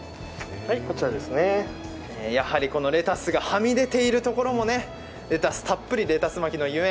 やはりレタスがはみ出ているところも、レタスたっぷりレタス巻きのゆえん。